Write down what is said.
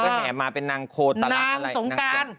ก็แห่มาเป็นนางโคตรตลาดอะไร